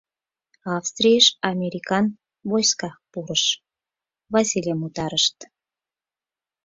Австрийыш американ войска пурыш, Васлийым утарышт.